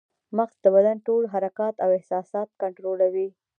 مغز د بدن ټول حرکات او احساسات کنټرولوي